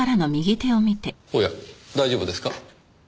おや大丈夫ですか？